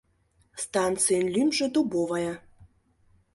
Станцийын лӱмжӧ Дубовая.